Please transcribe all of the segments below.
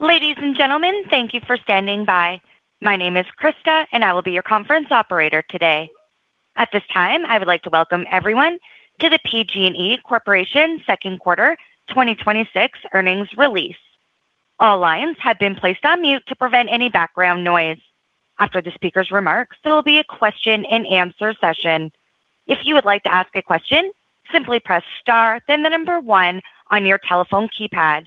Ladies and gentlemen, thank you for standing by. My name is Krista, and I will be your conference Operator today. At this time, I would like to welcome everyone to the PG&E Corporation Second Quarter 2026 Earnings Release. All lines have been placed on mute to prevent any background noise. After the speaker's remarks, there will be a question and answer session. If you would like to ask a question, simply press star then the number one on your telephone keypad.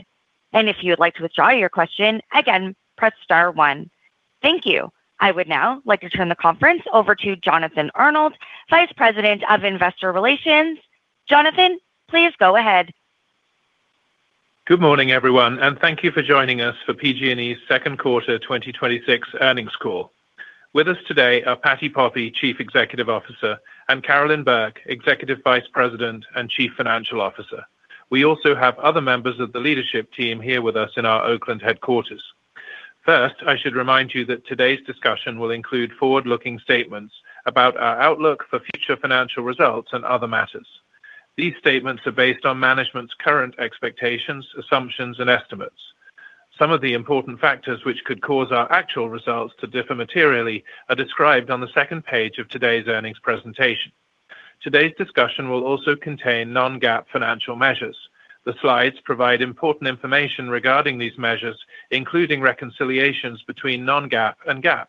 If you would like to withdraw your question, again, press star one. Thank you. I would now like to turn the conference over to Jonathan Arnold, Vice President of Investor Relations. Jonathan, please go ahead. Good morning, everyone, and thank you for joining us for PG&E's Second Quarter 2026 Earnings Call. With us today are Patti Poppe, Chief Executive Officer, and Carolyn Burke, Executive Vice President and Chief Financial Officer. We also have other members of the leadership team here with us in our Oakland headquarters. First, I should remind you that today's discussion will include forward-looking statements about our outlook for future financial results and other matters. These statements are based on management's current expectations, assumptions, and estimates. Some of the important factors which could cause our actual results to differ materially are described on the second page of today's earnings presentation. Today's discussion will also contain non-GAAP financial measures. The slides provide important information regarding these measures, including reconciliations between non-GAAP and GAAP.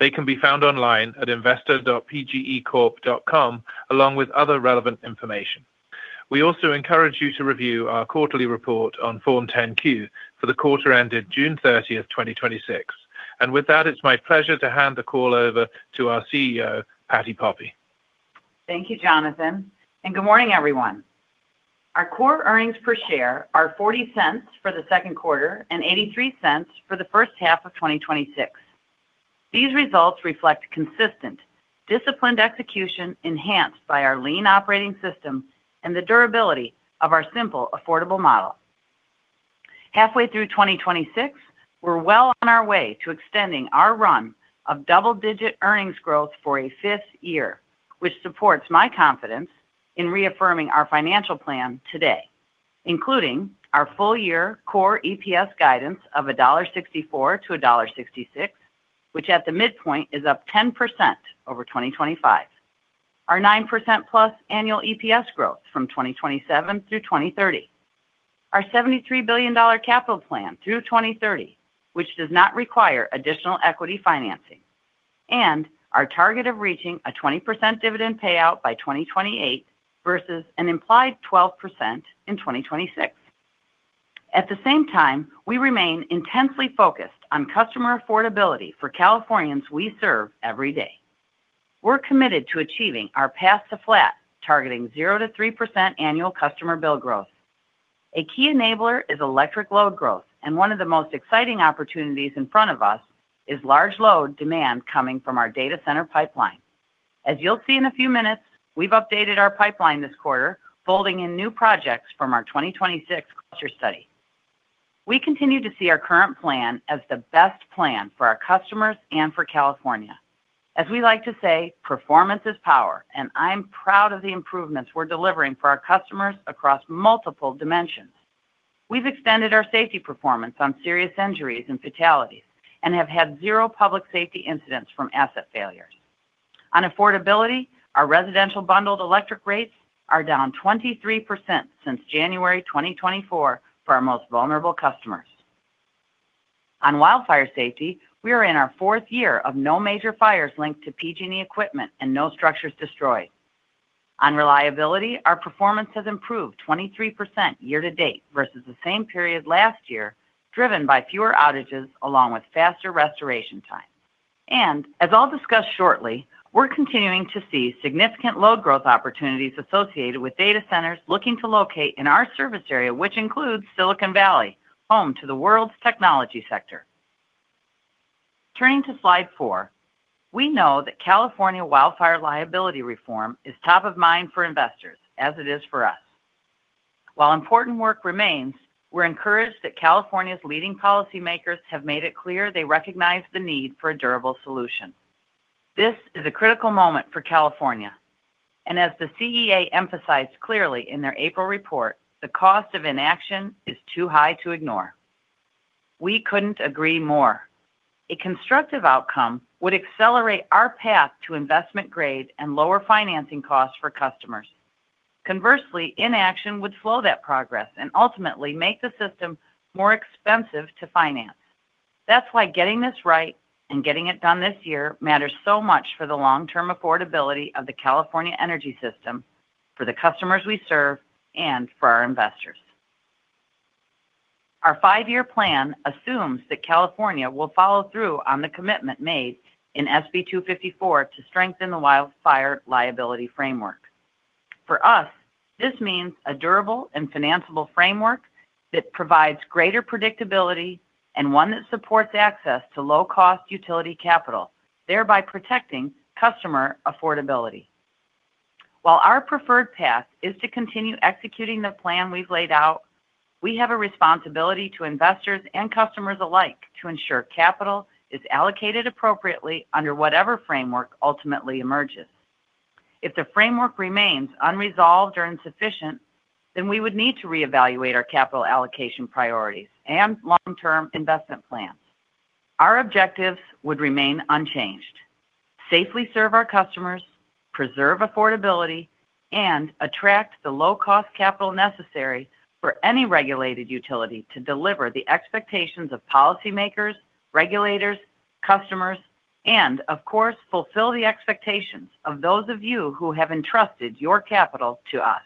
They can be found online at investor.pgecorp.com along with other relevant information. We also encourage you to review our quarterly report on Form 10-Q for the quarter ended June 30th, 2026. With that, it's my pleasure to hand the call over to our Chief Executive Officer, Patti Poppe. Thank you, Jonathan, and good morning, everyone. Our core earnings per share are $0.40 for the second quarter and $0.83 for the first half of 2026. These results reflect consistent, disciplined execution enhanced by our lean operating system and the durability of our simple, affordable model. Halfway through 2026, we're well on our way to extending our run of double-digit earnings growth for a fifth year, which supports my confidence in reaffirming our financial plan today, including our full year core EPS guidance of $1.64 to $1.66, which at the midpoint is up 10% over 2025. Our +9% annual EPS growth from 2027 through 2030. Our $73 billion capital plan through 2030, which does not require additional equity financing. Our target of reaching a 20% dividend payout by 2028 versus an implied 12% in 2026. At the same time, we remain intensely focused on customer affordability for Californians we serve every day. We're committed to achieving our path to flat, targeting 0%-3% annual customer bill growth. A key enabler is electric load growth, and one of the most exciting opportunities in front of us is large load demand coming from our data center pipeline. As you'll see in a few minutes, we've updated our pipeline this quarter, folding in new projects from our 2026 cluster study. We continue to see our current plan as the best plan for our customers and for California. As we like to say, performance is power, and I'm proud of the improvements we're delivering for our customers across multiple dimensions. We've extended our safety performance on serious injuries and fatalities and have had zero public safety incidents from asset failures. On affordability, our residential bundled electric rates are down 23% since January 2024 for our most vulnerable customers. On wildfire safety, we are in our fourth year of no major fires linked to PG&E equipment and no structures destroyed. On reliability, our performance has improved 23% year-to-date versus the same period last year, driven by fewer outages along with faster restoration times. As I'll discuss shortly, we're continuing to see significant load growth opportunities associated with data centers looking to locate in our service area, which includes Silicon Valley, home to the world's technology sector. Turning to slide four, we know that California wildfire liability reform is top of mind for investors, as it is for us. While important work remains, we're encouraged that California's leading policymakers have made it clear they recognize the need for a durable solution. This is a critical moment for California. As the CEA emphasized clearly in their April report, the cost of inaction is too high to ignore. We couldn't agree more. A constructive outcome would accelerate our path to investment grade and lower financing costs for customers. Conversely, inaction would slow that progress and ultimately make the system more expensive to finance. That's why getting this right and getting it done this year matters so much for the long-term affordability of the California energy system, for the customers we serve, and for our investors. Our five-year plan assumes that California will follow through on the commitment made in SB 254 to strengthen the wildfire liability framework. For us, this means a durable and financeable framework that provides greater predictability and one that supports access to low-cost utility capital, thereby protecting customer affordability. While our preferred path is to continue executing the plan we've laid out, we have a responsibility to investors and customers alike to ensure capital is allocated appropriately under whatever framework ultimately emerges. If the framework remains unresolved or insufficient, we would need to reevaluate our capital allocation priorities and long-term investment plans. Our objectives would remain unchanged: safely serve our customers, preserve affordability, and attract the low-cost capital necessary for any regulated utility to deliver the expectations of policymakers, regulators, customers and, of course, fulfill the expectations of those of you who have entrusted your capital to us.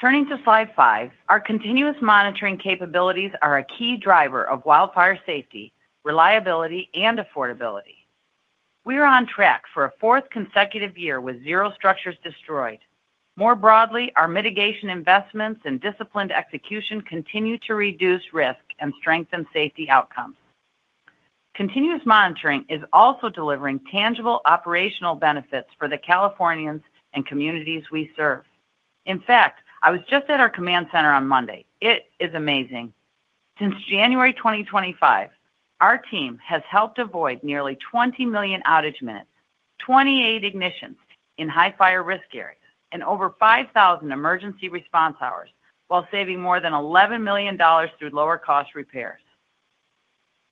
Turning to slide five, our continuous monitoring capabilities are a key driver of wildfire safety, reliability, and affordability. We are on track for a fourth consecutive year with zero structures destroyed. More broadly, our mitigation investments and disciplined execution continue to reduce risk and strengthen safety outcomes. I was just at our command center on Monday. It is amazing. Since January 2025, our team has helped avoid nearly 20 million outage minutes, 28 ignitions in high fire risk areas, and over 5,000 emergency response hours while saving more than $11 million through lower cost repairs.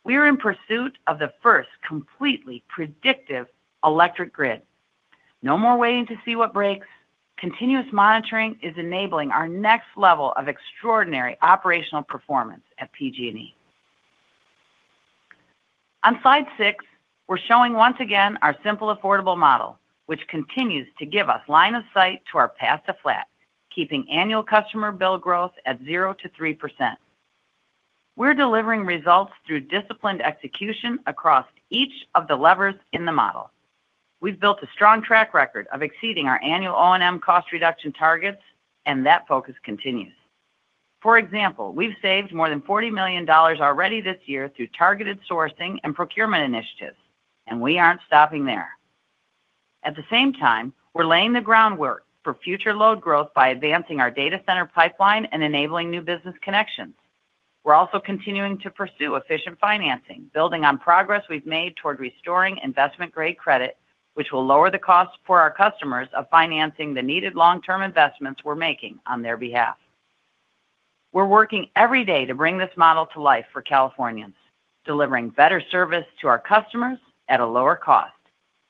We are in pursuit of the first completely predictive electric grid. No more waiting to see what breaks. Continuous monitoring is enabling our next level of extraordinary operational performance at PG&E. On slide six, we're showing once again our simple, affordable model, which continues to give us line of sight to our path to flat, keeping annual customer bill growth at 0%-3%. We're delivering results through disciplined execution across each of the levers in the model. We've built a strong track record of exceeding our annual O&M cost reduction targets. That focus continues. For example, we've saved more than $40 million already this year through targeted sourcing and procurement initiatives. We aren't stopping there. At the same time, we're laying the groundwork for future load growth by advancing our data center pipeline and enabling new business connections. We're also continuing to pursue efficient financing, building on progress we've made toward restoring investment-grade credit, which will lower the cost for our customers of financing the needed long-term investments we're making on their behalf. We're working every day to bring this model to life for Californians, delivering better service to our customers at a lower cost,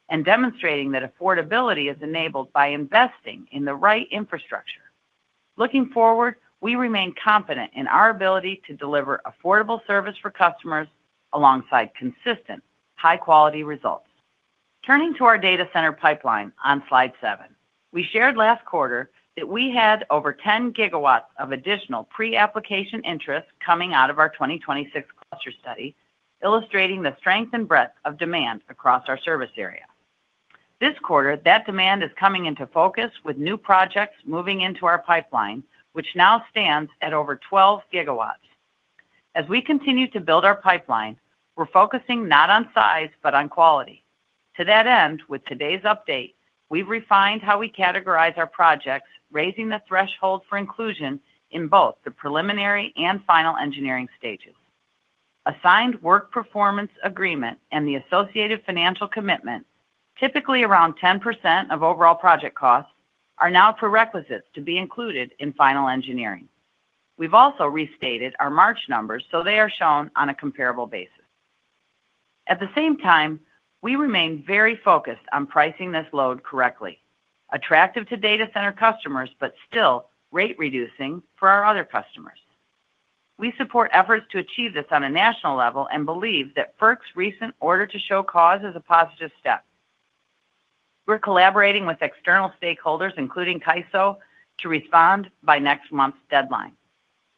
and demonstrating that affordability is enabled by investing in the right infrastructure. Looking forward, we remain confident in our ability to deliver affordable service for customers alongside consistent, high-quality results. Turning to our data center pipeline on slide seven. We shared last quarter that we had over 10 GW of additional pre-application interest coming out of our 2026 cluster study, illustrating the strength and breadth of demand across our service area. This quarter, that demand is coming into focus with new projects moving into our pipeline, which now stands at over 12 GW. As we continue to build our pipeline, we're focusing not on size, but on quality. To that end, with today's update, we've refined how we categorize our projects, raising the threshold for inclusion in both the preliminary and final engineering stages. Assigned work performance agreement and the associated financial commitment, typically around 10% of overall project costs, are now prerequisites to be included in final engineering. We've also restated our March numbers so they are shown on a comparable basis. At the same time, we remain very focused on pricing this load correctly, attractive to data center customers, but still rate reducing for our other customers. We support efforts to achieve this on a national level and believe that FERC's recent order to show cause is a positive step. We're collaborating with external stakeholders, including CAISO, to respond by next month's deadline.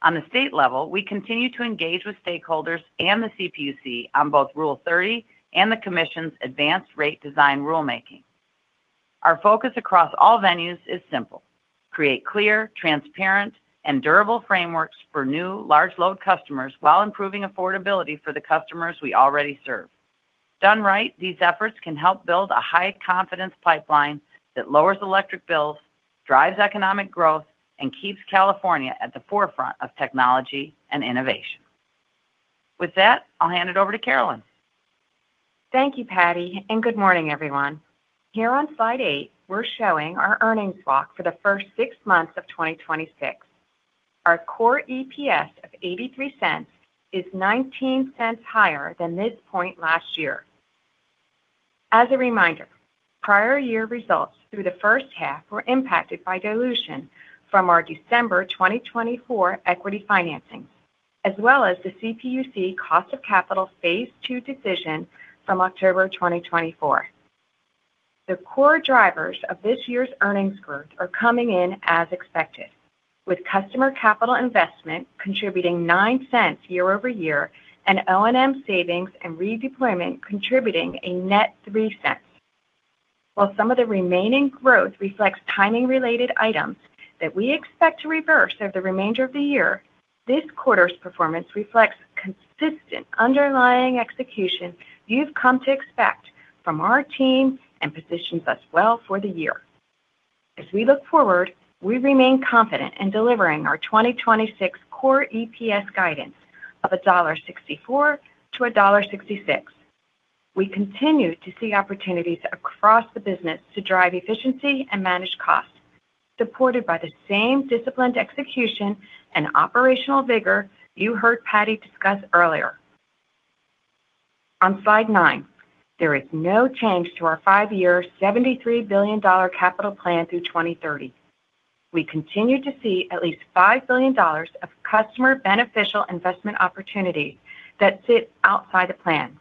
On the state level, we continue to engage with stakeholders and the CPUC on both Rule 30 and the commission's advanced rate design rulemaking. Our focus across all venues is simple: create clear, transparent, and durable frameworks for new large load customers while improving affordability for the customers we already serve. Done right, these efforts can help build a high confidence pipeline that lowers electric bills, drives economic growth, and keeps California at the forefront of technology and innovation. With that, I'll hand it over to Carolyn. Thank you, Patti, and good morning, everyone. Here on slide eight, we're showing our earnings walk for the first six months of 2026. Our core EPS of $0.83 is $0.19 higher than this point last year. As a reminder, prior year results through the first half were impacted by dilution from our December 2024 equity financing, as well as the CPUC cost of capital phase II decision from October 2024. The core drivers of this year's earnings growth are coming in as expected, with customer capital investment contributing $0.09 year-over-year and O&M savings and redeployment contributing a net $0.03. While some of the remaining growth reflects timing related items that we expect to reverse over the remainder of the year, this quarter's performance reflects consistent underlying execution you've come to expect from our team and positions us well for the year. We look forward, we remain confident in delivering our 2026 core EPS guidance of $1.64 to $1.66. We continue to see opportunities across the business to drive efficiency and manage costs, supported by the same disciplined execution and operational vigor you heard Patti discuss earlier. On slide nine, there is no change to our five-year $73 billion capital plan through 2030. We continue to see at least $5 billion of customer beneficial investment opportunity that sit outside the plan.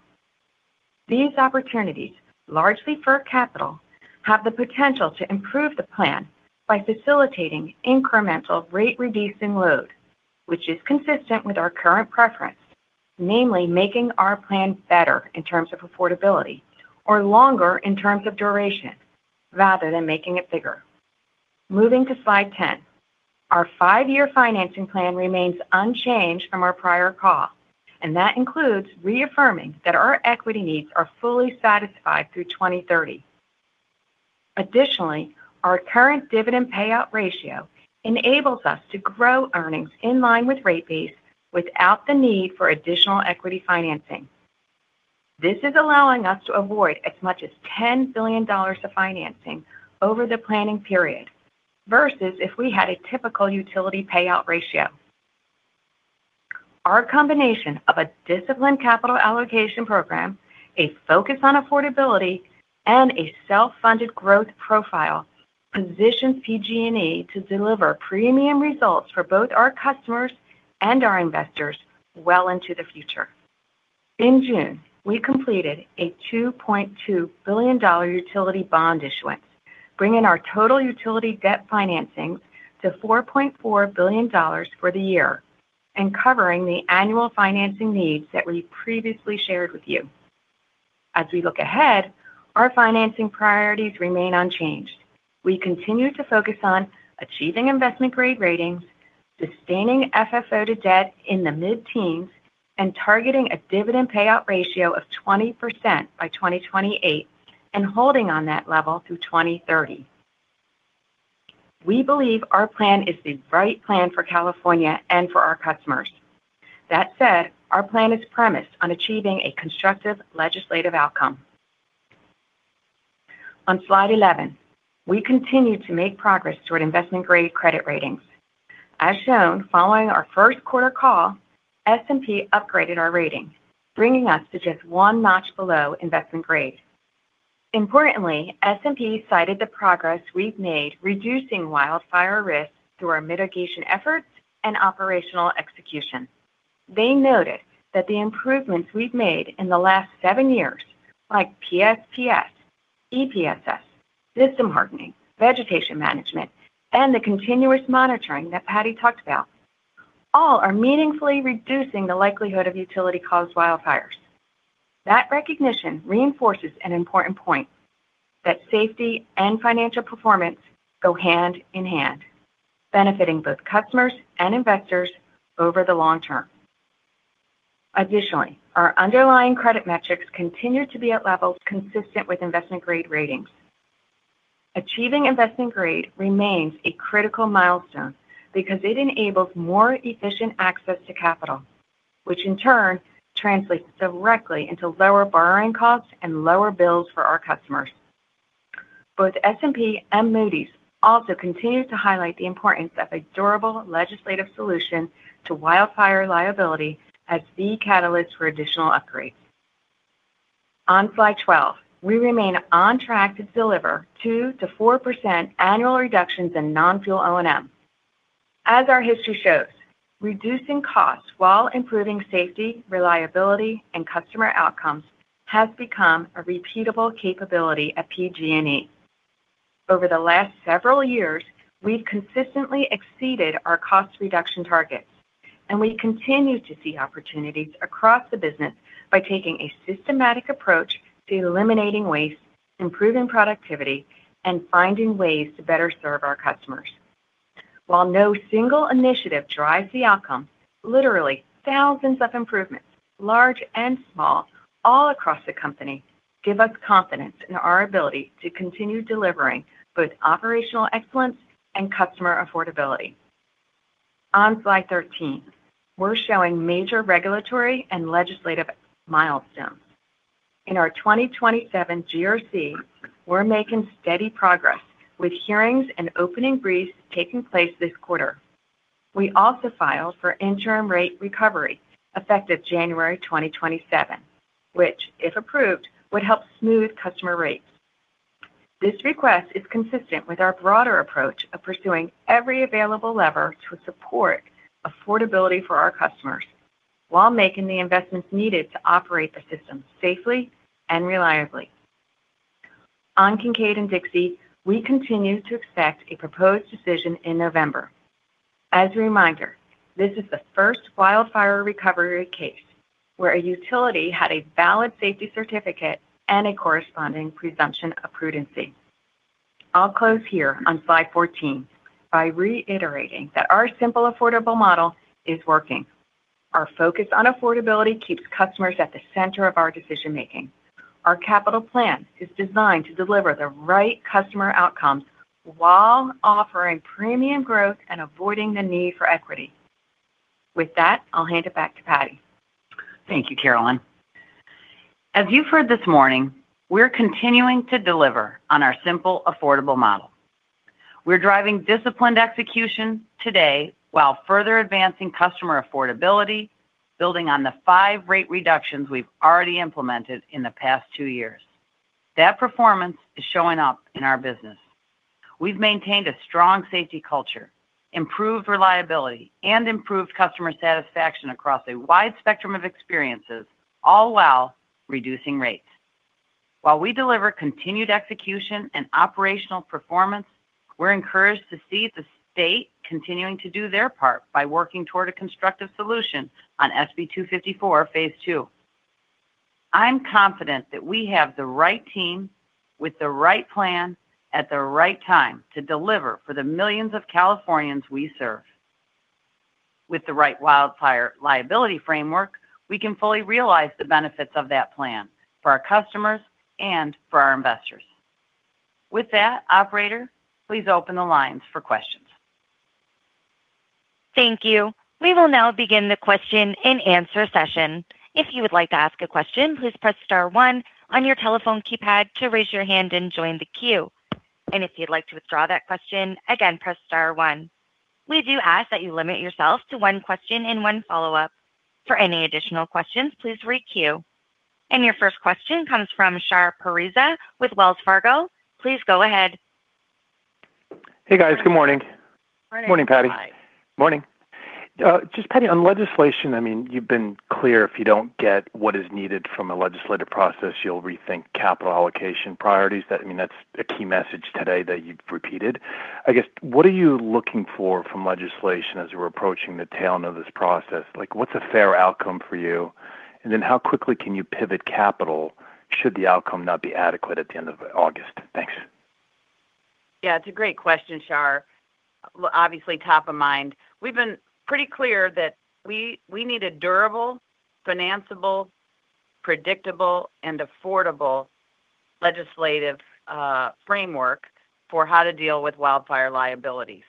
These opportunities, largely for capital, have the potential to improve the plan by facilitating incremental rate-reducing load, which is consistent with our current preference, namely making our plan better in terms of affordability or longer in terms of duration, rather than making it bigger. Moving to slide 10. Our five-year financing plan remains unchanged from our prior call, and that includes reaffirming that our equity needs are fully satisfied through 2030. Additionally, our current dividend payout ratio enables us to grow earnings in line with rate base without the need for additional equity financing. This is allowing us to avoid as much as $10 billion of financing over the planning period versus if we had a typical utility payout ratio. Our combination of a disciplined capital allocation program, a focus on affordability, and a self-funded growth profile positions PG&E to deliver premium results for both our customers and our investors well into the future. In June, we completed a $2.2 billion utility bond issuance, bringing our total utility debt financings to $4.4 billion for the year and covering the annual financing needs that we previously shared with you. We look ahead, our financing priorities remain unchanged. We continue to focus on achieving investment-grade ratings, sustaining FFO to debt in the mid-teens, and targeting a dividend payout ratio of 20% by 2028 and holding on that level through 2030. We believe our plan is the right plan for California and for our customers. That said, our plan is premised on achieving a constructive legislative outcome. On slide 11, we continue to make progress toward investment-grade credit ratings. As shown, following our first quarter call, S&P upgraded our rating, bringing us to just one notch below investment grade. Importantly, S&P cited the progress we've made reducing wildfire risk through our mitigation efforts and operational execution. They noted that the improvements we've made in the last seven years, like PSPS, EPSS, system hardening, vegetation management, and the continuous monitoring that Patti talked about, all are meaningfully reducing the likelihood of utility-caused wildfires. That recognition reinforces an important point, that safety and financial performance go hand in hand, benefiting both customers and investors over the long term. Additionally, our underlying credit metrics continue to be at levels consistent with investment-grade ratings. Achieving investment grade remains a critical milestone because it enables more efficient access to capital, which in turn translates directly into lower borrowing costs and lower bills for our customers. Both S&P and Moody's also continue to highlight the importance of a durable legislative solution to wildfire liability as the catalyst for additional upgrades. On slide 12, we remain on track to deliver 2%-4% annual reductions in non-fuel O&M. As our history shows, reducing costs while improving safety, reliability, and customer outcomes has become a repeatable capability at PG&E. Over the last several years, we've consistently exceeded our cost reduction targets, and we continue to see opportunities across the business by taking a systematic approach to eliminating waste, improving productivity, and finding ways to better serve our customers. While no single initiative drives the outcome, literally thousands of improvements, large and small, all across the company give us confidence in our ability to continue delivering both operational excellence and customer affordability. On slide 13, we're showing major regulatory and legislative milestones. In our 2027 GRC, we're making steady progress with hearings and opening briefs taking place this quarter. We also filed for interim rate recovery effective January 2027, which, if approved, would help smooth customer rates. This request is consistent with our broader approach of pursuing every available lever to support affordability for our customers while making the investments needed to operate the system safely and reliably. On Kincade and Dixie, we continue to expect a proposed decision in November. As a reminder, this is the first wildfire recovery case where a utility had a valid safety certificate and a corresponding presumption of prudency. I'll close here on slide 14 by reiterating that our simple, affordable model is working. Our focus on affordability keeps customers at the center of our decision-making. Our capital plan is designed to deliver the right customer outcomes while offering premium growth and avoiding the need for equity. With that, I'll hand it back to Patti. Thank you, Carolyn. As you've heard this morning, we're continuing to deliver on our simple, affordable model. We're driving disciplined execution today while further advancing customer affordability, building on the five rate reductions we've already implemented in the past two years. That performance is showing up in our business. We've maintained a strong safety culture, improved reliability, and improved customer satisfaction across a wide spectrum of experiences, all while reducing rates. While we deliver continued execution and operational performance, we're encouraged to see the state continuing to do their part by working toward a constructive solution on SB 254 Phase 2. I'm confident that we have the right team, with the right plan, at the right time to deliver for the millions of Californians we serve. With the right wildfire liability framework, we can fully realize the benefits of that plan for our customers and for our investors. With that, Operator, please open the lines for questions. Thank you. We will now begin the question and answer session. If you would like to ask a question, please press star one on your telephone keypad to raise your hand and join the queue. If you'd like to withdraw that question, again, press star one. We do ask that you limit yourself to one question and one follow-up. For any additional questions, please re-queue. Your first question comes from Shar Pourreza with Wells Fargo. Please go ahead. Hey, guys. Good morning. Good morning. Morning, Patti. Hi. Morning. Just, Patti, on legislation, you've been clear, if you don't get what is needed from a legislative process, you'll rethink capital allocation priorities. That's a key message today that you've repeated. I guess, what are you looking for from legislation as we're approaching the tail end of this process? What's a fair outcome for you? Then how quickly can you pivot capital should the outcome not be adequate at the end of August? Thanks. Yeah, it's a great question, Shar. Obviously, top of mind. We've been pretty clear that we need a durable, financeable, predictable, and affordable legislative framework for how to deal with wildfire liability.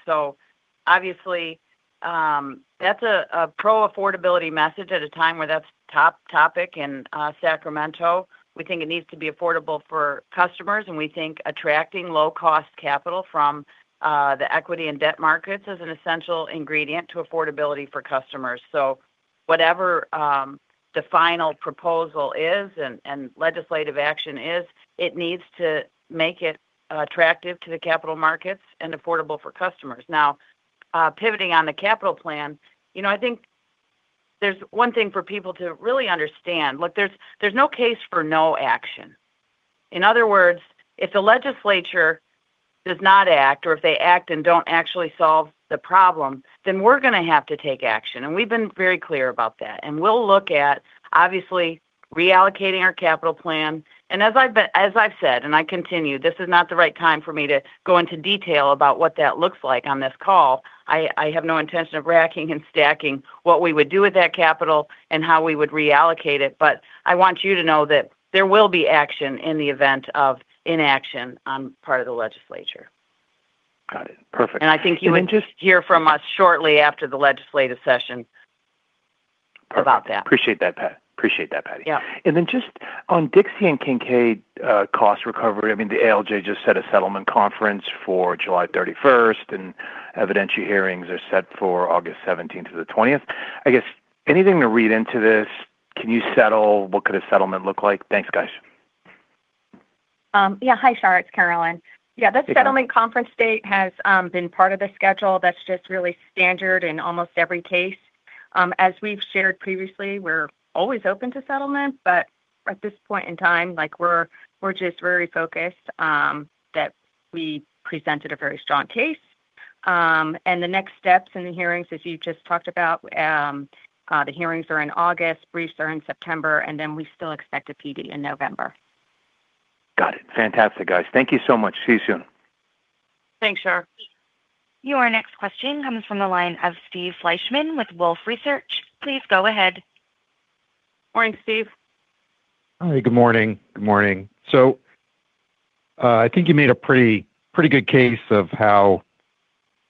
Obviously, that's a pro-affordability message at a time where that's topic in Sacramento. We think it needs to be affordable for customers, we think attracting low-cost capital from the equity and debt markets is an essential ingredient to affordability for customers. Whatever the final proposal is and legislative action is, it needs to make it attractive to the capital markets and affordable for customers. Now, pivoting on the capital plan, I think there's one thing for people to really understand. Look, there's no case for no action. In other words, if the legislature does not act or if they act and don't actually solve the problem, then we're going to have to take action. We've been very clear about that. We'll look at, obviously, reallocating our capital plan. As I've said, I continue, this is not the right time for me to go into detail about what that looks like on this call. I have no intention of racking and stacking what we would do with that capital and how we would reallocate it. I want you to know that there will be action in the event of inaction on part of the legislature. Got it. Perfect. I think you would hear from us shortly after the legislative session about that. Perfect. Appreciate that, Pat. Appreciate that, Patti. Yeah. Just on Dixie and Kincade cost recovery, the ALJ just set a settlement conference for July 31st, and evidentiary hearings are set for August 17th to the 20th. I guess, anything to read into this? Can you settle? What could a settlement look like? Thanks, guys. Hi, Shar. It's Carolyn. Hey, Carolyn. That settlement conference date has been part of the schedule. That's just really standard in almost every case. As we've shared previously, we're always open to settlement, at this point in time, we're just very focused that we presented a very strong case. The next steps in the hearings, as you just talked about, the hearings are in August, briefs are in September, we still expect a PD in November. Got it. Fantastic, guys. Thank you so much. See you soon. Thanks, Shar. Your next question comes from the line of Steve Fleishman with Wolfe Research. Please go ahead. Morning, Steve. Hi. Good morning. Good morning. I think you made a pretty good case of how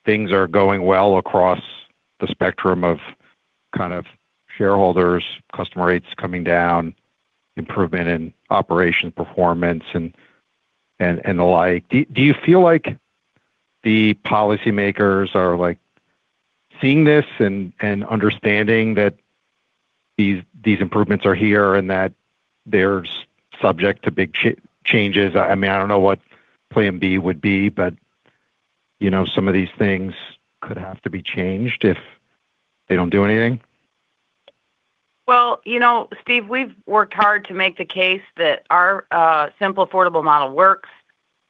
things are going well across the spectrum of kind of shareholders, customer rates coming down, improvement in operation performance, and the like. Do you feel like the policymakers are seeing this and understanding that these improvements are here and that they're subject to big changes? I don't know what plan B would be, some of these things could have to be changed if they don't do anything. Well, Steve, we've worked hard to make the case that our simple, affordable model works.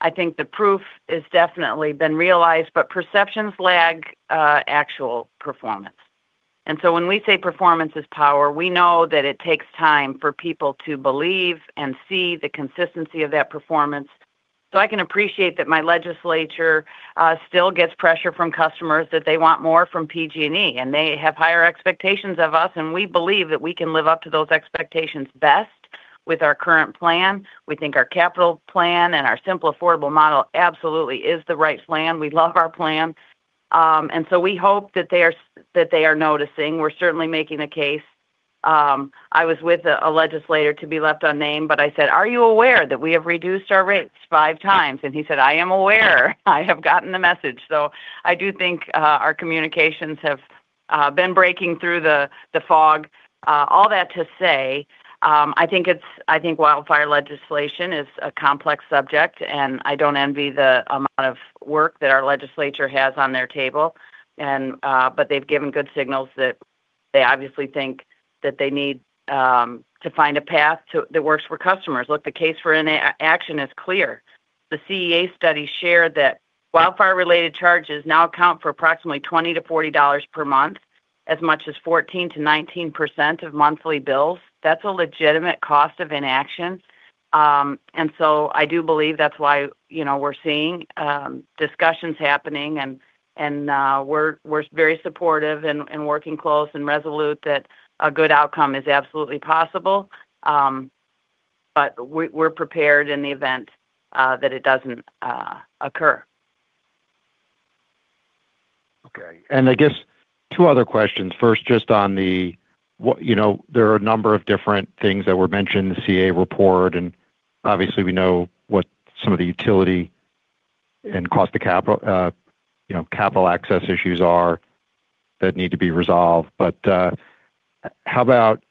I think the proof has definitely been realized, perceptions lag actual performance. When we say performance is power, we know that it takes time for people to believe and see the consistency of that performance I can appreciate that my legislature still gets pressure from customers that they want more from PG&E, they have higher expectations of us, and we believe that we can live up to those expectations best with our current plan. We think our capital plan and our simple, affordable model absolutely is the right plan. We love our plan. We hope that they are noticing. We're certainly making the case. I was with a legislator to be left unnamed, I said, "Are you aware that we have reduced our rates five times?" He said, "I am aware. I have gotten the message." I do think our communications have been breaking through the fog. All that to say, I think wildfire legislation is a complex subject, and I don't envy the amount of work that our legislature has on their table. They've given good signals that they obviously think that they need to find a path that works for customers. Look, the case for inaction is clear. The CEA study shared that wildfire-related charges now account for approximately $20-$40 per month, as much as 14%-19% of monthly bills. That's a legitimate cost of inaction. I do believe that's why we're seeing discussions happening, and we're very supportive and working close and resolute that a good outcome is absolutely possible. We're prepared in the event that it doesn't occur. Okay. I guess two other questions. First, there are a number of different things that were mentioned in the CEA report, obviously we know what some of the utility and capital access issues are that need to be resolved. How about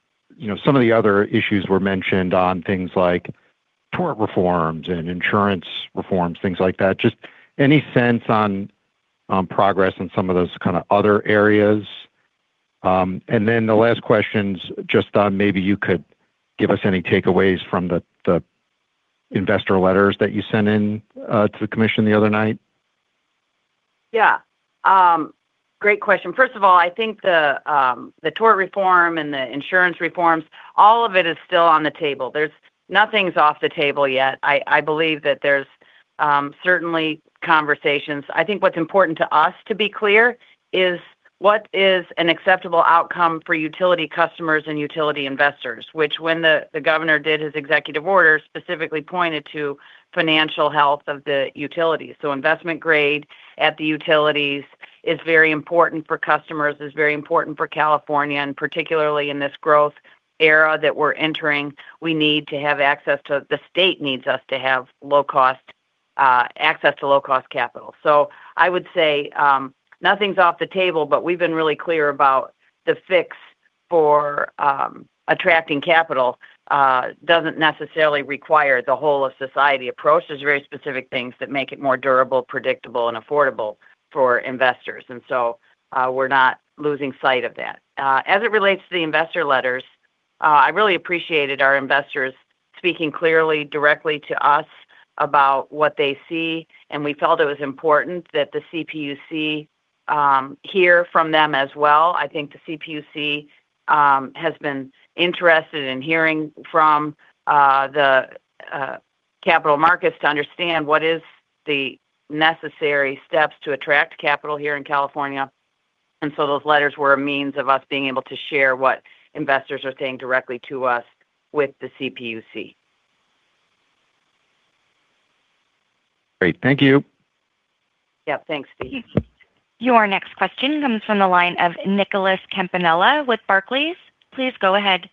some of the other issues were mentioned on things like tort reforms and insurance reforms, things like that. Just any sense on progress in some of those other areas? Then the last question's just on maybe you could give us any takeaways from the investor letters that you sent in to the commission the other night. Yeah. Great question. First of all, I think the tort reform and the insurance reforms, all of it is still on the table. Nothing's off the table yet. I believe that there's certainly conversations. I think what's important to us to be clear is what is an acceptable outcome for utility customers and utility investors, which when the governor did his executive order, specifically pointed to financial health of the utilities. Investment grade at the utilities is very important for customers, is very important for California, and particularly in this growth era that we're entering, the state needs us to have access to low-cost capital. I would say nothing's off the table, we've been really clear about the fix for attracting capital doesn't necessarily require the whole of society approach. There's very specific things that make it more durable, predictable, and affordable for investors. We're not losing sight of that. As it relates to the investor letters, I really appreciated our investors speaking clearly, directly to us about what they see, and we felt it was important that the CPUC hear from them as well. I think the CPUC has been interested in hearing from the capital markets to understand what is the necessary steps to attract capital here in California. Those letters were a means of us being able to share what investors are saying directly to us with the CPUC. Great. Thank you. Yep. Thanks, Steve. Your next question comes from the line of Nicholas Campanella with Barclays. Please go ahead.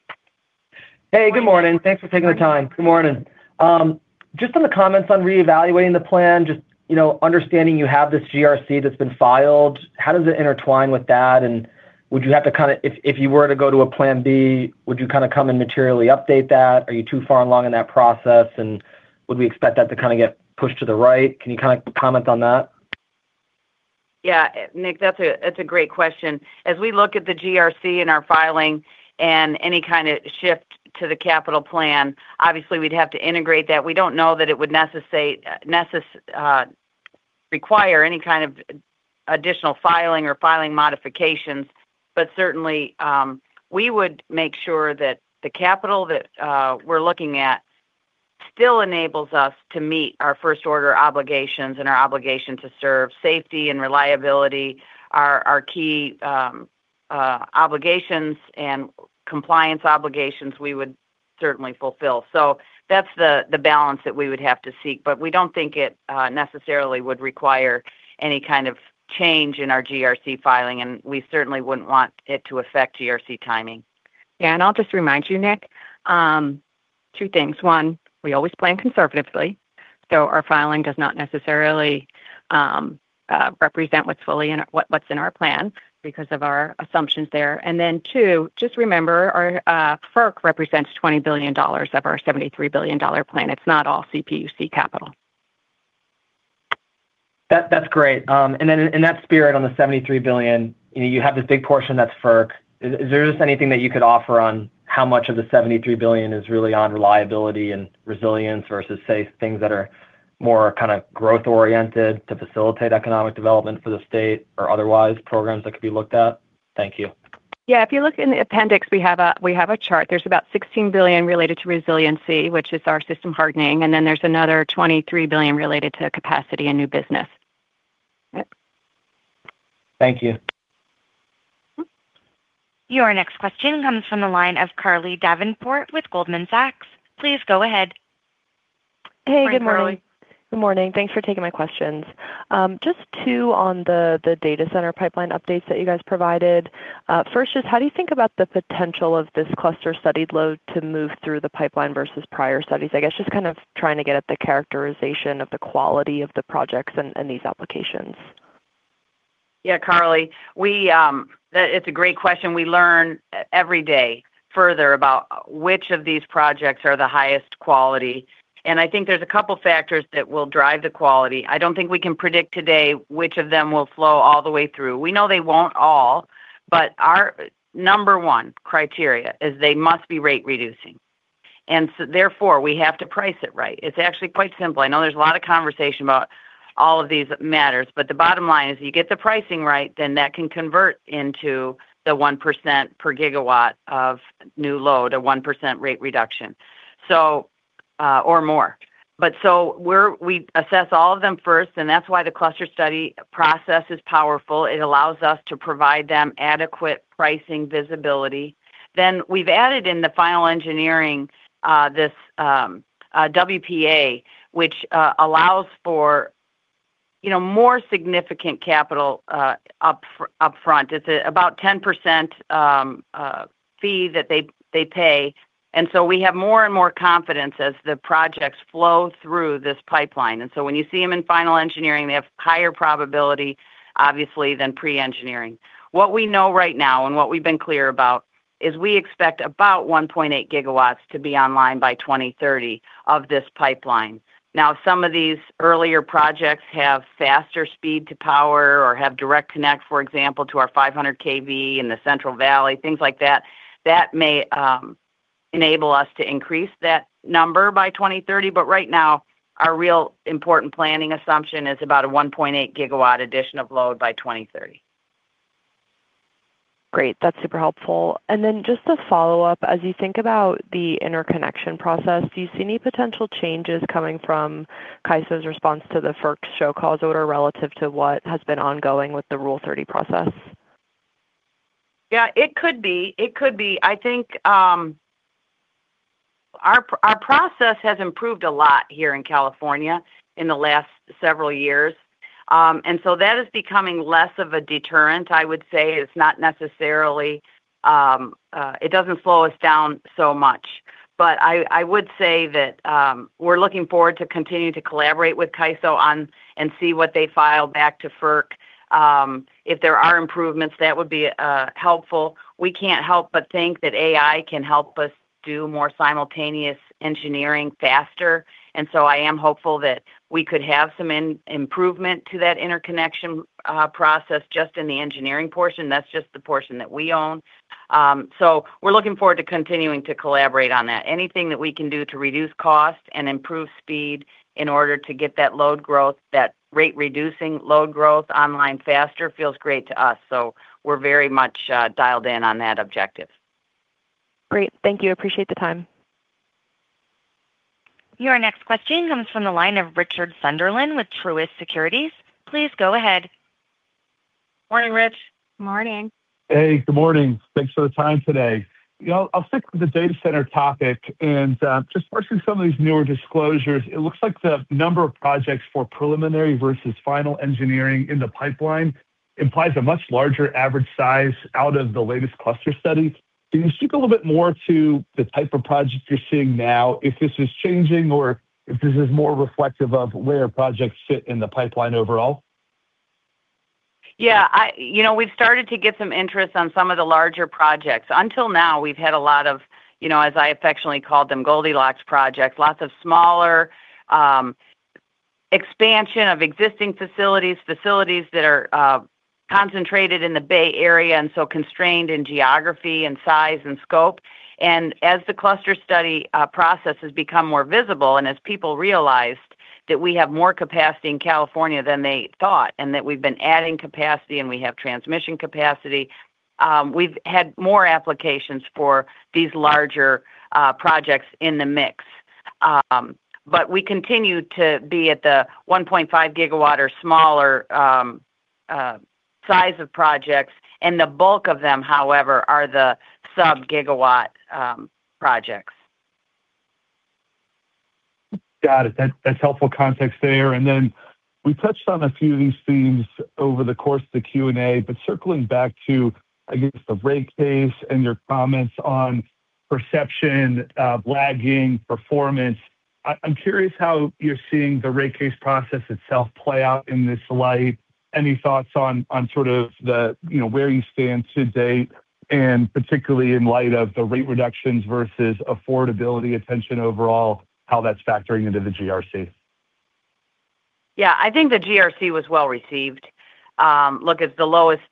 Hey, good morning. Thanks for taking the time. Good morning. Just on the comments on reevaluating the plan, just understanding you have this GRC that's been filed, how does it intertwine with that? If you were to go to a plan B, would you come and materially update that? Are you too far along in that process? Would we expect that to get pushed to the right? Can you comment on that? Yeah. Nick, that's a great question. As we look at the GRC in our filing and any kind of shift to the capital plan, obviously we'd have to integrate that. We don't know that it would require any kind of additional filing or filing modifications. Certainly, we would make sure that the capital that we're looking at still enables us to meet our first-order obligations and our obligation to serve safety and reliability are our key obligations, and compliance obligations we would certainly fulfill. That's the balance that we would have to seek. We don't think it necessarily would require any kind of change in our GRC filing, and we certainly wouldn't want it to affect GRC timing. I'll just remind you, Nick, two things. One, we always plan conservatively, so our filing does not necessarily represent what's in our plan because of our assumptions there. Two, just remember, FERC represents $20 billion of our $73 billion plan. It's not all CPUC capital. That's great. In that spirit on the $73 billion, you have this big portion that's FERC. Is there just anything that you could offer on how much of the $73 billion is really on reliability and resilience versus, say, things that are more growth-oriented to facilitate economic development for the state or otherwise programs that could be looked at? Thank you. Yeah, if you look in the appendix, we have a chart. There's about $16 billion related to resiliency, which is our system hardening, and then there's another $23 billion related to capacity and new business. Thank you. Your next question comes from the line of Carly Davenport with Goldman Sachs. Please go ahead. Hey, good morning. Morning, Carly. Good morning. Thanks for taking my questions. Just two on the data center pipeline updates that you guys provided. First is, how do you think about the potential of this cluster study load to move through the pipeline versus prior studies? I guess just kind of trying to get at the characterization of the quality of the projects and these applications. Yeah, Carly. It's a great question. We learn every day further about which of these projects are the highest quality. I think there's a couple factors that will drive the quality. I don't think we can predict today which of them will flow all the way through. We know they won't all, our number one criteria is they must be rate-reducing, therefore, we have to price it right. It's actually quite simple. I know there's a lot of conversation about all of these matters, the bottom line is you get the pricing right, that can convert into the 1% per gigawatt of new load, a 1% rate reduction. Or more. We assess all of them first, that's why the cluster study process is powerful. It allows us to provide them adequate pricing visibility. We've added in the final engineering, this WPA, which allows for more significant capital upfront. It's about a 10% fee that they pay, we have more and more confidence as the projects flow through this pipeline. When you see them in final engineering, they have higher probability, obviously, than pre-engineering. What we know right now, what we've been clear about is we expect about 1.8 GW to be online by 2030 of this pipeline. Some of these earlier projects have faster speed to power or have direct connect, for example, to our 500 kV in the Central Valley, things like that. That may enable us to increase that number by 2030. Right now, our real important planning assumption is about a 1.8 GW addition of load by 2030. Great. That's super helpful. Just to follow up, as you think about the interconnection process, do you see any potential changes coming from CAISO's response to the FERC show cause order relative to what has been ongoing with the Electric Rule 30 process? Yeah, it could be. I think our process has improved a lot here in California in the last several years. That is becoming less of a deterrent, I would say. It doesn't slow us down so much. I would say that we're looking forward to continuing to collaborate with CAISO and see what they file back to FERC. If there are improvements, that would be helpful. We can't help but think that AI can help us do more simultaneous engineering faster, I am hopeful that we could have some improvement to that interconnection process just in the engineering portion. That's just the portion that we own. We're looking forward to continuing to collaborate on that. Anything that we can do to reduce cost and improve speed in order to get that load growth, that rate-reducing load growth online faster feels great to us. We're very much dialed in on that objective. Great. Thank you. Appreciate the time. Your next question comes from the line of Richard Sunderland with Truist Securities. Please go ahead. Morning, Rich. Morning. Hey, good morning. Thanks for the time today. I'll stick with the data center topic and just working some of these newer disclosures, it looks like the number of projects for preliminary versus final engineering in the pipeline implies a much larger average size out of the latest cluster study. Can you speak a little bit more to the type of projects you're seeing now, if this is changing or if this is more reflective of where projects sit in the pipeline overall? Yeah. We've started to get some interest on some of the larger projects. Until now, we've had a lot of, as I affectionately call them, Goldilocks projects. Lots of smaller expansion of existing facilities that are concentrated in the Bay Area and so constrained in geography and size and scope. As the cluster study process has become more visible, and as people realized that we have more capacity in California than they thought, and that we've been adding capacity, and we have transmission capacity, we've had more applications for these larger projects in the mix. We continue to be at the 1.5 GW or smaller size of projects, and the bulk of them, however, are the sub-gigawatt projects. Got it. That's helpful context there. We touched on a few of these themes over the course of the Q&A, but circling back to, I guess, the rate case and your comments on perception of lagging performance, I'm curious how you're seeing the rate case process itself play out in this light. Any thoughts on sort of where you stand to date and particularly in light of the rate reductions versus affordability attention overall, how that's factoring into the GRC? I think the GRC was well-received. Look, it's the lowest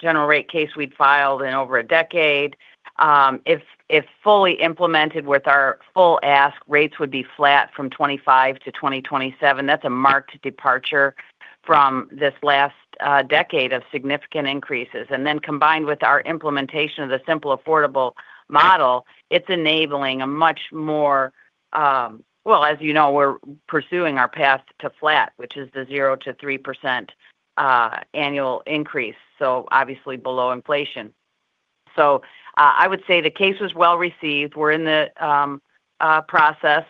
general rate case we'd filed in over a decade. If fully implemented with our full ask, rates would be flat from 2025 to 2027. That's a marked departure from this last decade of significant increases. Combined with our implementation of the simple, affordable model, it's enabling a much more, well, as you know, we're pursuing our path to flat, which is the 0%-3% annual increase, so obviously below inflation. I would say the case was well-received. We're in the process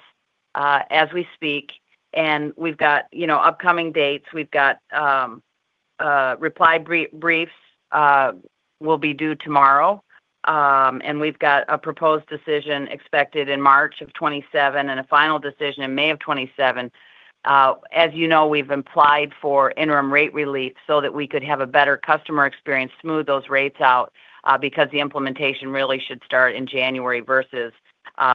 as we speak, and we've got upcoming dates. We've got reply briefs will be due tomorrow. We've got a proposed decision expected in March of 2027, and a final decision in May of 2027. As you know, we've implied for interim rate relief so that we could have a better customer experience, smooth those rates out, because the implementation really should start in January versus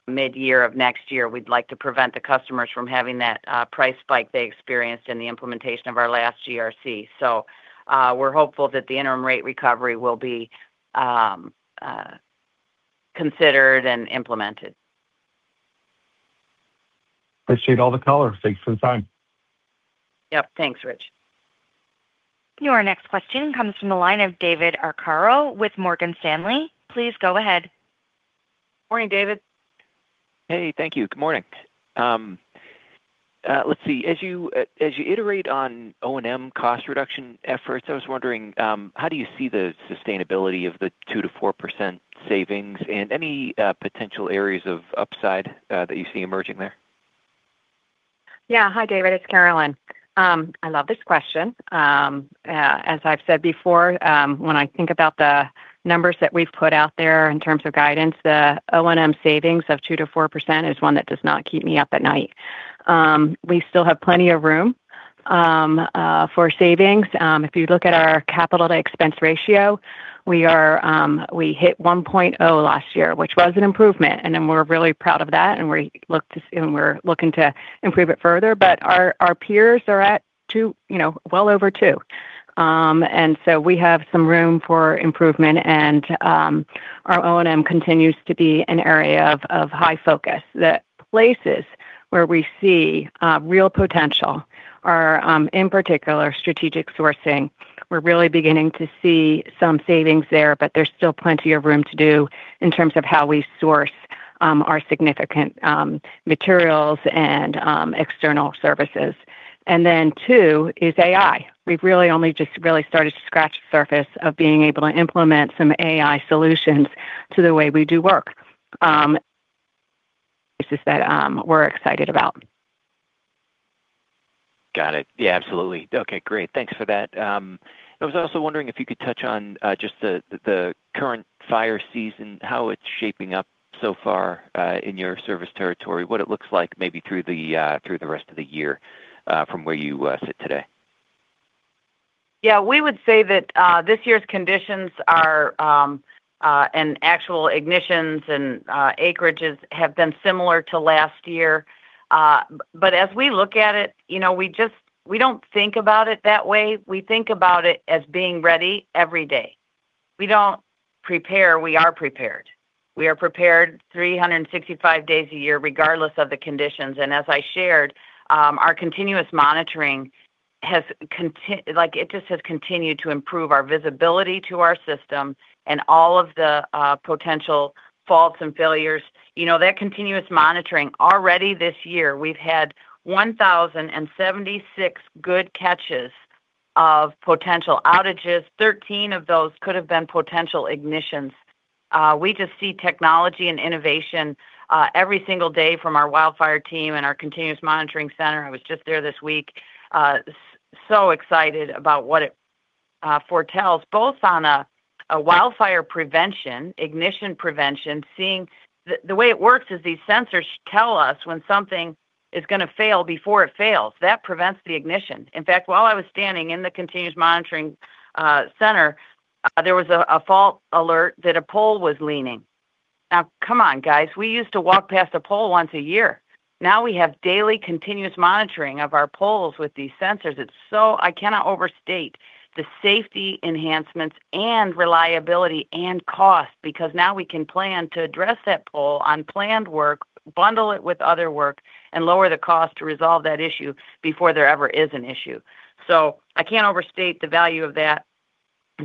mid-year of next year. We'd like to prevent the customers from having that price spike they experienced in the implementation of our last GRC. We're hopeful that the interim rate recovery will be considered and implemented. Appreciate all the color. Thanks for the time. Yep. Thanks, Rich. Your next question comes from the line of David Arcaro with Morgan Stanley. Please go ahead. Morning, David. Hey. Thank you. Good morning. Let's see. As you iterate on O&M cost reduction efforts, I was wondering, how do you see the sustainability of the 2%-4% savings and any potential areas of upside that you see emerging there? Hi, David. It's Carolyn. I love this question. As I've said before, when I think about the numbers that we've put out there in terms of guidance, the O&M savings of 2%-4% is one that does not keep me up at night. We still have plenty of room for savings. If you look at our capital to expense ratio, we hit 1.0 last year, which was an improvement, and we're really proud of that, and we're looking to improve it further, but our peers are at well over two. We have some room for improvement and our O&M continues to be an area of high focus. The places where we see real potential are, in particular, strategic sourcing. We're really beginning to see some savings there, but there's still plenty of room to do in terms of how we source our significant materials and external services. Two is AI. We've really only just really started to scratch the surface of being able to implement some AI solutions to the way we do work. Places that we're excited about. Got it. Absolutely. Okay, great. Thanks for that. I was also wondering if you could touch on just the current fire season, how it's shaping up so far in your service territory, what it looks like maybe through the rest of the year from where you sit today. We would say that this year's conditions are, and actual ignitions and acreages have been similar to last year. As we look at it, we don't think about it that way. We think about it as being ready every day. We don't prepare. We are prepared. We are prepared 365 days a year, regardless of the conditions. As I shared, our continuous monitoring, it just has continued to improve our visibility to our system and all of the potential faults and failures. That continuous monitoring, already this year, we've had 1,076 good catches of potential outages. 13 of those could have been potential ignitions. We just see technology and innovation every single day from our wildfire team and our continuous monitoring center. I was just there this week. Excited about what it foretells, both on a wildfire prevention, ignition prevention. The way it works is these sensors tell us when something is going to fail before it fails. That prevents the ignition. In fact, while I was standing in the continuous monitoring center, there was a fault alert that a pole was leaning. Now, come on, guys. We used to walk past a pole once a year. Now we have daily continuous monitoring of our poles with these sensors. I cannot overstate the safety enhancements and reliability and cost because now we can plan to address that pole on planned work, bundle it with other work, and lower the cost to resolve that issue before there ever is an issue. I can't overstate the value of that.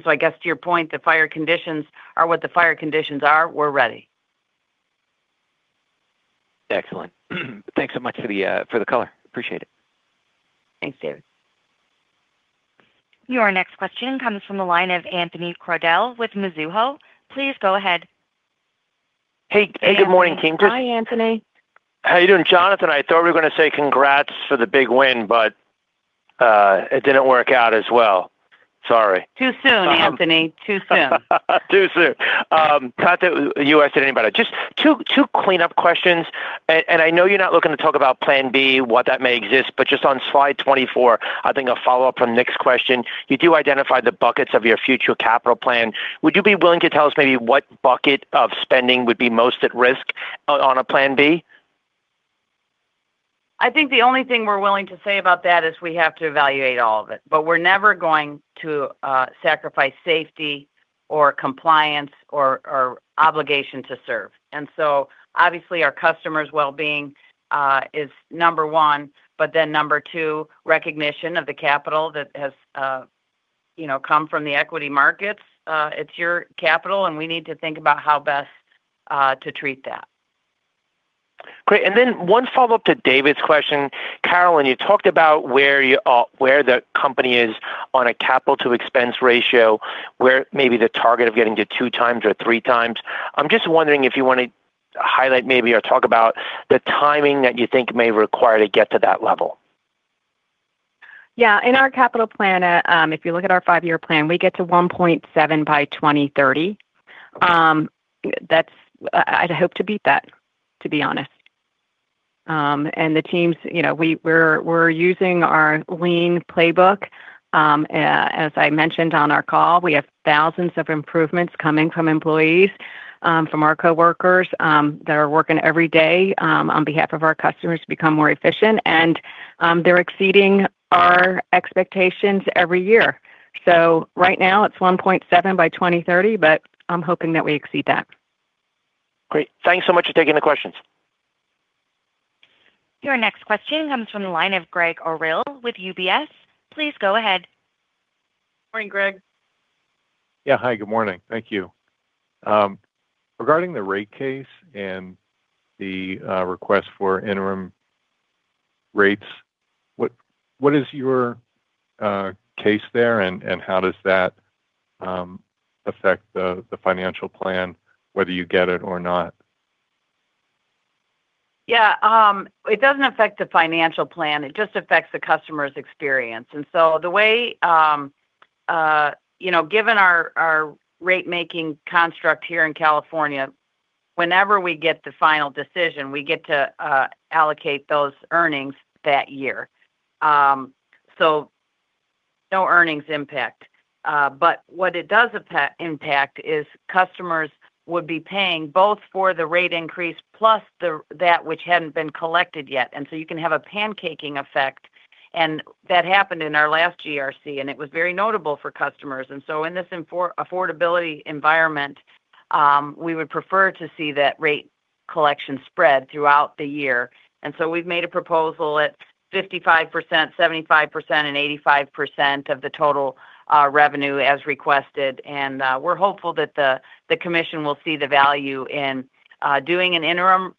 I guess to your point, the fire conditions are what the fire conditions are. We're ready. Excellent. Thanks so much for the color. Appreciate it. Thanks, David. Your next question comes from the line of Anthony Crowdell with Mizuho. Please go ahead. Hey. Good morning, team. Hi, Anthony. How you doing? Jonathan and I thought we were going to say congrats for the big win, it didn't work out as well. Sorry. Too soon, Anthony. Too soon. Too soon. Not to ask anybody. Just two cleanup questions. I know you're not looking to talk about plan B, what that may exist, but just on slide 24, I think a follow-up from Nick's question. You do identify the buckets of your future capital plan. Would you be willing to tell us maybe what bucket of spending would be most at risk on a plan B? I think the only thing we're willing to say about that is we have to evaluate all of it. We're never going to sacrifice safety or compliance or obligation to serve. Obviously, our customers' well-being is number one, but then number two, recognition of the capital that has come from the equity markets. It's your capital, and we need to think about how best to treat that. Great. Then one follow-up to David's question. Carolyn, you talked about where the company is on a capital to expense ratio, where maybe the target of getting to two times or three times. I'm just wondering if you want to highlight maybe or talk about the timing that you think may require to get to that level. Yeah. In our capital plan, if you look at our five-year plan, we get to 1.7 by 2030. I'd hope to beat that, to be honest. The teams, we're using our lean playbook. As I mentioned on our call, we have thousands of improvements coming from employees, from our coworkers that are working every day on behalf of our customers to become more efficient. They're exceeding our expectations every year. Right now it's 1.7 by 2030, but I'm hoping that we exceed that. Great. Thanks so much for taking the questions. Your next question comes from the line of Gregg Orrill with UBS. Please go ahead. Morning, Gregg. Yeah. Hi, good morning. Thank you. Regarding the rate case and the request for interim rates, what is your case there, and how does that affect the financial plan, whether you get it or not? It doesn't affect the financial plan. It just affects the customer's experience. Given our rate-making construct here in California, whenever we get the final decision, we get to allocate those earnings that year. No earnings impact. What it does impact is customers would be paying both for the rate increase plus that which hadn't been collected yet. You can have a pancaking effect. That happened in our last GRC, and it was very notable for customers. In this affordability environment, we would prefer to see that rate collection spread throughout the year. We've made a proposal at 55%, 75%, and 85% of the total revenue as requested. We're hopeful that the Commission will see the value in doing an interim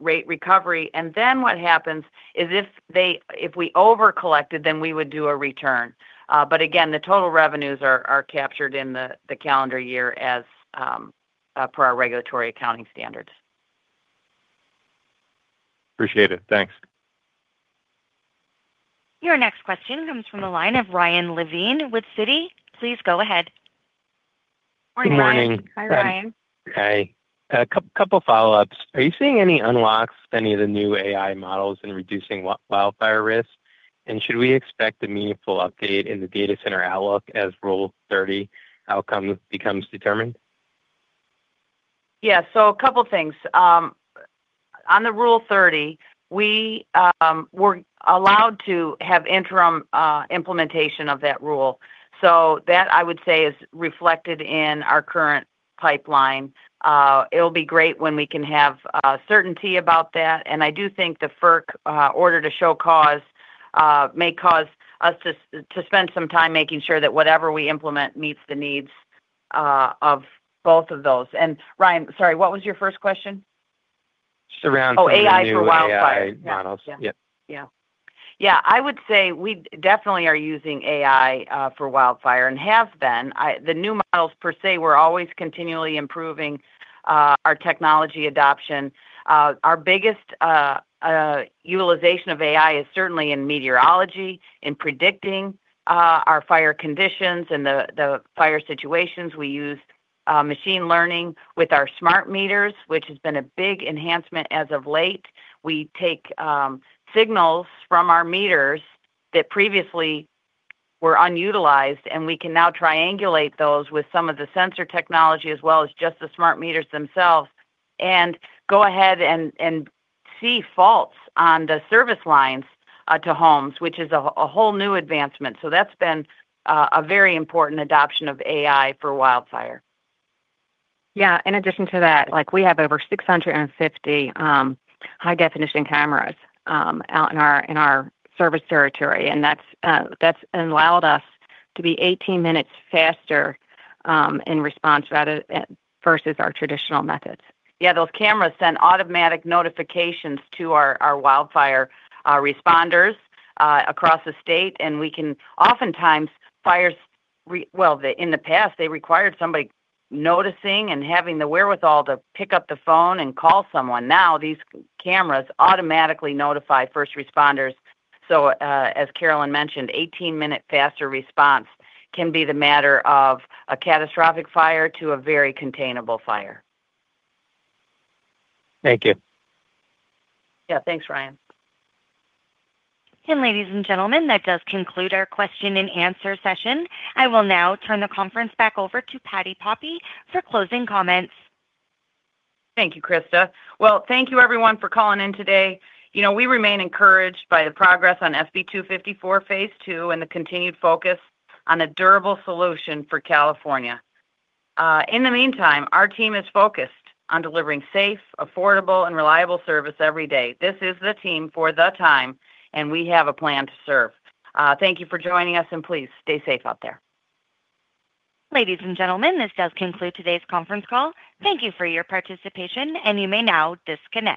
rate recovery. What happens is if we over collected, then we would do a return. Again, the total revenues are captured in the calendar year as per our regulatory accounting standards. Appreciate it. Thanks. Your next question comes from the line of Ryan Levine with Citi. Please go ahead. Morning, Ryan. Hi, Ryan. Hi. A couple follow-ups. Are you seeing any unlocks to any of the new AI models in reducing wildfire risk? Should we expect a meaningful update in the data center outlook as Rule 30 outcome becomes determined? Yeah. A couple things. On the Rule 30, we're allowed to have interim implementation of that rule. That, I would say, is reflected in our current pipeline. It'll be great when we can have certainty about that. I do think the FERC order to show cause may cause us to spend some time making sure that whatever we implement meets the needs of both of those. Ryan, sorry, what was your first question? Just around some of the new AI models. Yeah. Oh, AI for wildfire. Yeah. I would say we definitely are using AI for wildfire and have been. The new models per se, we're always continually improving our technology adoption. Our biggest utilization of AI is certainly in meteorology, in predicting our fire conditions and the fire situations. We use machine learning with our smart meters, which has been a big enhancement as of late. We take signals from our meters that previously were unutilized, and we can now triangulate those with some of the sensor technology as well as just the smart meters themselves and go ahead and see faults on the service lines to homes, which is a whole new advancement. That's been a very important adoption of AI for wildfire. Yeah. In addition to that, we have over 650 high-definition cameras out in our service territory, and that's allowed us to be 18 minutes faster in response versus our traditional methods. Yeah, those cameras send automatic notifications to our wildfire responders across the state. We can oftentimes, fires, well, in the past, they required somebody noticing and having the wherewithal to pick up the phone and call someone. Now, these cameras automatically notify first responders. As Carolyn mentioned, 18-minute faster response can be the matter of a catastrophic fire to a very containable fire. Thank you. Yeah. Thanks, Ryan. Ladies and gentlemen, that does conclude our question and answer session. I will now turn the conference back over to Patti Poppe for closing comments. Thank you, Krista. Well, thank you everyone for calling in today. We remain encouraged by the progress on SB 254 phase two and the continued focus on a durable solution for California. In the meantime, our team is focused on delivering safe, affordable, and reliable service every day. This is the team for the time, and we have a plan to serve. Thank you for joining us, and please stay safe out there. Ladies and gentlemen, this does conclude today's conference call. Thank you for your participation, and you may now disconnect.